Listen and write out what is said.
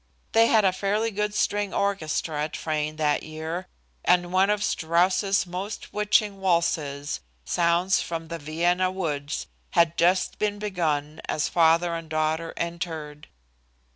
They had a fairly good string orchestra at Frayne that year, and one of Strauss's most witching waltzes "Sounds from the Vienna Woods" had just been begun as father and daughter entered.